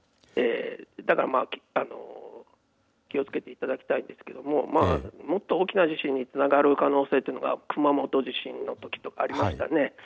だから、気をつけていただきたいんですけどもっと大きな地震につながる可能性が、熊本地震のときとかありましたね。